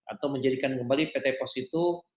atau menjadikan kembali pt pos itu